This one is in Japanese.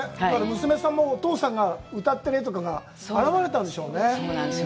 娘さんもお父さんが歌ってる絵とかが現れたんでしょうね。